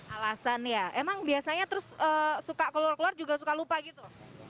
alasan ya emang biasanya terus suka keluar keluar juga suka lupa gitu